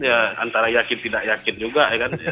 ya karena saya yakin tidak yakin juga ya kan